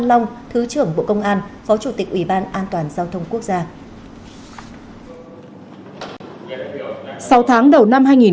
thiếu tướng nguyễn văn long thứ trưởng bộ công an phó chủ tịch ủy ban an toàn giao thông quốc gia